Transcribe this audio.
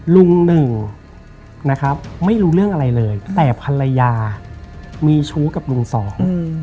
ลุงหนึ่งนะครับไม่รู้เรื่องอะไรเลยแต่ภรรยามีชู้กับลุงสอง